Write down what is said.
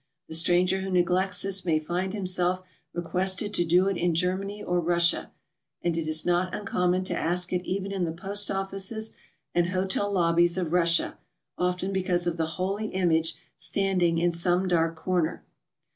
The stranger who neglects this may find himself requested to do it in Germany or Russia; and it is not uncommon to ask k even in the post offices and hotel lobbies of Russia, often because of the holy image standing in some dark corner.